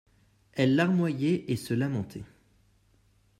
Elle larmoyait et se lamentait.